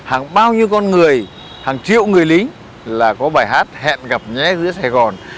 hàng bao nhiêu con người hàng triệu người lính là có bài hát hẹn gặp nhé giữa sài gòn